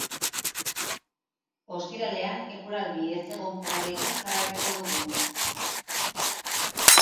Ostiralean eguraldi ezegonkorrarekin jarraituko dugu.